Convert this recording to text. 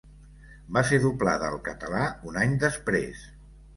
Va ser doblada al català un any després.